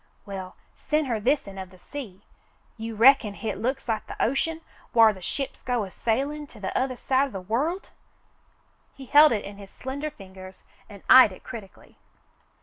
"We'll sen' her this'n of the sea. You reckon hit looks like the ocean whar the ships go a sailin' to t'othah side o' the world V^ He held it in his slender fingers and eyed it critically.